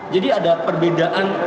jadi ada perbedaan